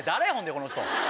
この人。